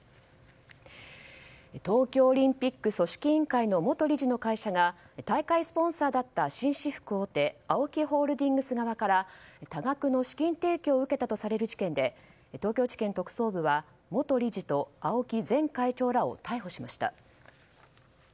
東京オリンピック組織委員会の元理事の会社が大会スポンサーだった紳士服大手ＡＯＫＩホールディングス側から多額の資金提供を受けたとされる事件で東京地検特捜部は元理事と青木前会長らを逮捕しました。